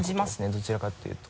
どちらかというと。